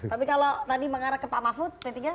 tapi kalau tadi mengarah ke pak mahfud p tiga